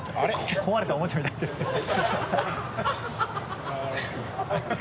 壊れたおもちゃみたいになってる